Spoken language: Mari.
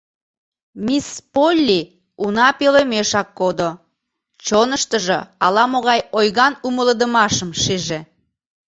Мисс Полли уна пӧлемешак кодо, чоныштыжо ала-могай ойган умылыдымашым шиже...